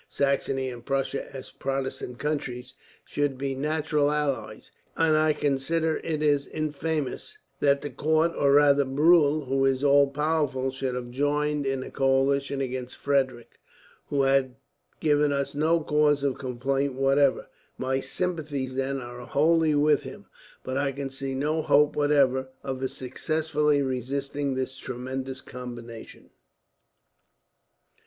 Saxony and Prussia, as Protestant countries, should be natural allies; and I consider it is infamous that the court, or rather Bruhl, who is all powerful, should have joined in a coalition against Frederick, who had given us no cause of complaint, whatever. My sympathies, then, are wholly with him; but I can see no hope, whatever, of his successfully resisting this tremendous combination."